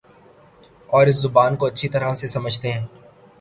اور اس زبان کو اچھی طرح سے سمجھتے ہیں